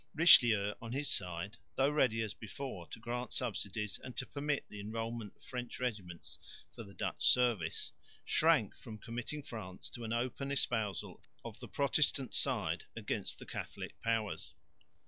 Richelieu on his side, though ready, as before, to grant subsidies and to permit the enrolment of French regiments for the Dutch service, shrank from committing France to an open espousal of the Protestant side against the Catholic powers.